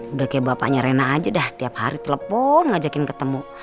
udah kayak bapaknya rena aja dah tiap hari telepon ngajakin ketemu